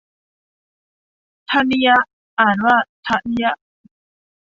ธนิย อ่านว่า ทะนิยะ